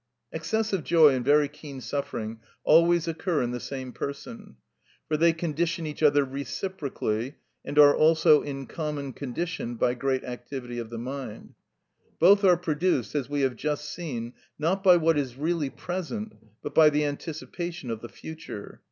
Excessive joy and very keen suffering always occur in the same person, for they condition each other reciprocally, and are also in common conditioned by great activity of the mind. Both are produced, as we have just seen, not by what is really present, but by the anticipation of the future.